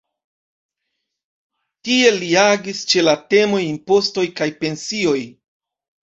Tiel li agis ĉe la temoj impostoj kaj pensioj.